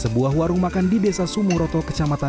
sebuah warung makan di desa sumoroto kecamatan